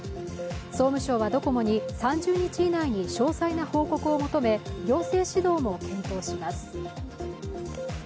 総務省はドコモに３０日以内に詳細な報告を求め、行政指導も検討します。